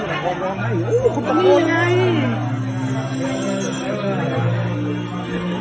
หายหัวเสียงภาพสุดเมิด